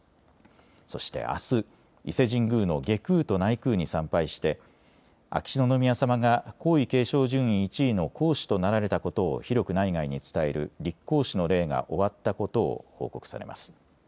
そしてあす、伊勢神宮の外宮と内宮に参拝して秋篠宮さまが皇位継承順位１位の皇嗣となられたことを広く内外に伝える立皇嗣の礼が終わったことを報告されます。